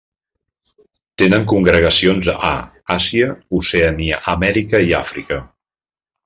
Tenen congregacions a Àsia, Oceania, Amèrica i Àfrica.